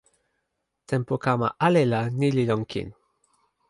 tenpo kama ale la, ni li lon kin.